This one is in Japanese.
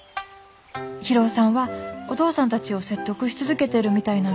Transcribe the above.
博夫さんはお義父さんたちを説得し続けてるみたいなんだけど」。